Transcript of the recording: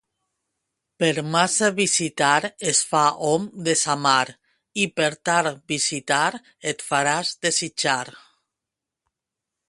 Per massa visitar es fa hom desamar i per tard visitar et faràs desitjar.